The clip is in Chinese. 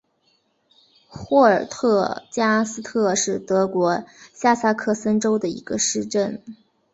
霍尔特加斯特是德国下萨克森州的一个市镇。